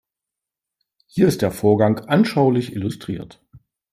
Hier ist der Vorgang anschaulich illustriert.